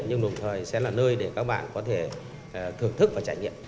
nhưng đồng thời sẽ là nơi để các bạn có thể thưởng thức và trải nghiệm